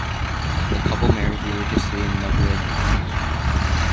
The couple married religiously in Madrid.